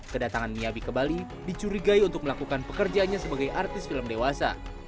kedatangan miyabi ke bali dicurigai untuk melakukan pekerjaannya sebagai artis film dewasa